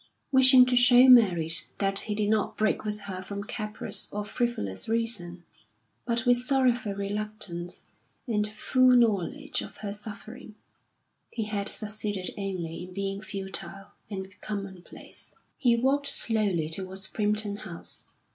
Wishing to show Mary that he did not break with her from caprice or frivolous reason, but with sorrowful reluctance, and full knowledge of her suffering, he had succeeded only in being futile and commonplace. He walked slowly towards Primpton House.